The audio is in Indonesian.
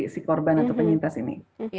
si korban atau penyintas ini